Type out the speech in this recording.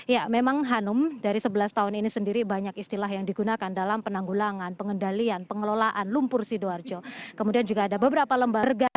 ya memang hanum dari sebelas tahun ini sendiri banyak istilah yang digunakan dalam penanggulangan pengendalian pengelolaan lumpur sidoarjo kemudian juga ada beberapa lembaga